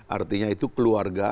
artinya itu keluarga